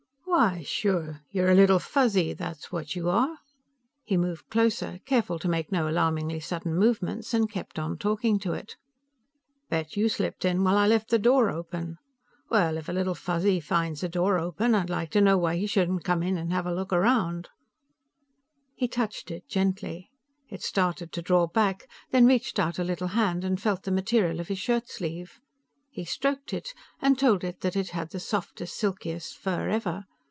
"Why, sure; you're a Little Fuzzy, that's what you are." He moved closer, careful to make no alarmingly sudden movements, and kept on talking to it. "Bet you slipped in while I left the door open. Well, if a Little Fuzzy finds a door open, I'd like to know why he shouldn't come in and look around." He touched it gently. It started to draw back, then reached out a little hand and felt the material of his shirt sleeve. He stroked it, and told it that it had the softest, silkiest fur ever.